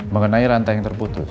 mengenai rantai yang terputus